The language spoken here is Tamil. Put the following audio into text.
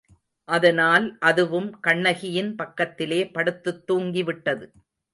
அதனால் அதுவும் கண்ணகியின் பக்கத்திலே படுத்துத் தூங்கிவிட்டது.